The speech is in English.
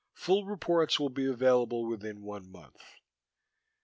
Full reports will be available within one month.